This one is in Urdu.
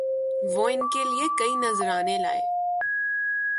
وہ ان کے لیے کئی نذرانے لائے